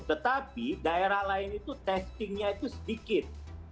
tetapi daerah lain itu testingnya itu sedikit